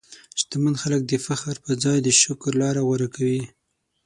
شتمن خلک د فخر پر ځای د شکر لاره غوره کوي.